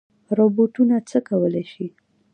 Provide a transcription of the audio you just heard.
روبوټونه څه کولی شي؟